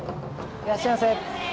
いらっしゃいませ。